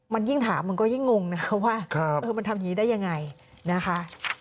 มันยิ่งถามมันก็ยิ่งงงนะคะว่ามันทำอย่างนี้ได้ยังไงนะคะ